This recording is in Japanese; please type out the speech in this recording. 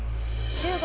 中国